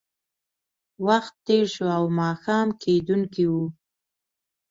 وخت تېر شو او ماښام کېدونکی و